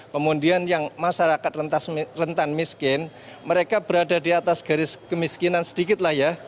kemudian yang masyarakat rentan miskin mereka berada di atas garis kemiskinan sedikit lah ya